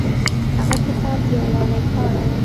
هغه کتاب د یووالي په اړه و.